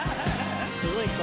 「すごい声」